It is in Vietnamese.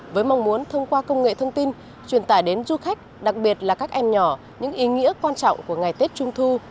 với mong muốn thông qua công nghệ thông tin truyền tải đến du khách đặc biệt là các em nhỏ những ý nghĩa quan trọng của ngày tết trung thu